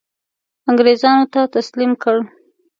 انګرېزانو ته تسلیم کړ.